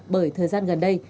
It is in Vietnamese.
bởi thời gian gần đây